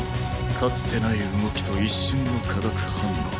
かつてない動きと一瞬の化学反応。